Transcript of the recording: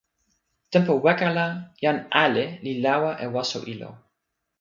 tenpo weka la jan ale li lawa e waso ilo.